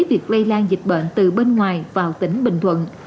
việc lây lan dịch bệnh từ bên ngoài vào tỉnh bình thuận